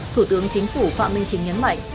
thủ tướng chính phủ phạm minh chính nhấn mạnh